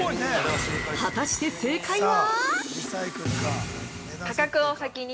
◆果たして正解は？